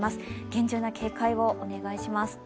厳重な警戒をお願いします。